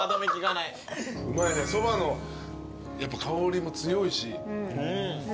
うまいねそばの香りも強いし。